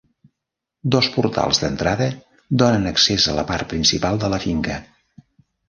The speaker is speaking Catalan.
Dos portals d'entrada donen accés a la part principal de la finca.